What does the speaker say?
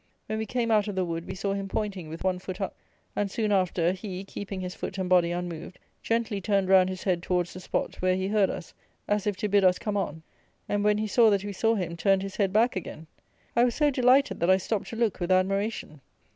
When we came out of the wood we saw him pointing, with one foot up; and, soon after, he, keeping his foot and body unmoved, gently turned round his head towards the spot where he heard us, as if to bid us come on, and, when he saw that we saw him, turned his head back again. I was so delighted, that I stopped to look with admiration.